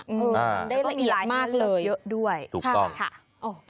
เออมันได้ละเอียดมากเลยถูกต้องค่ะแล้วก็มีรายละเอียดเยอะด้วย